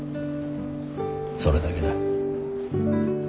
それだけだ。